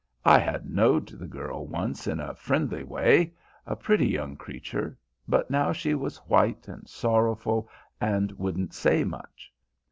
I had knowed the girl once in a friendly way, a pretty young creature, but now she was white and sorrowful and wouldn't say much.